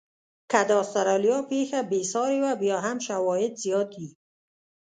که د استرالیا پېښه بې ساري وه، بیا هم شواهد زیات دي.